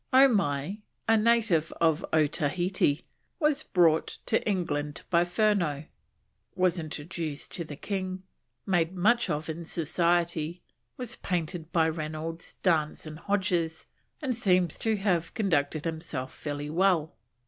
Omai, a native of Otaheite, was brought to England by Furneaux, was introduced to the King, made much of in Society, was painted by Reynolds, Dance, and Hodges, and seems to have conducted himself fairly well.